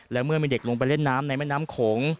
และเมื่อมีเด็กลงไปเล่นน้ำในแม่น้ำโขง